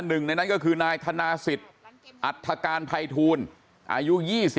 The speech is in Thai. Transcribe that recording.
หนึ่งในนั้นก็คือนายธนาศิษย์อัฐการภัยทูลอายุ๒๕